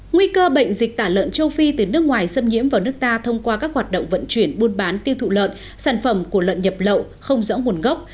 nguy cơ bệnh dịch tả lợn châu phi từ nước ngoài xâm nhiễm vào nước ta thông qua các hoạt động vận chuyển buôn bán tiêu thụ lợn sản phẩm của lợn nhập lậu không rõ nguồn gốc